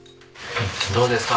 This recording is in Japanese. どうですか？